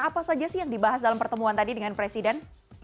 apa saja sih yang dibahas dalam pertemuan tadi dengan presiden